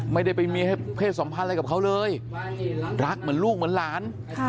ไม่ได้ไปมีเพศสัมพันธ์อะไรกับเขาเลยรักเหมือนลูกเหมือนหลาน